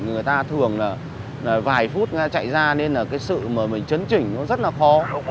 người ta thường là vài phút chạy ra nên là cái sự mà mình chấn chỉnh nó rất là khó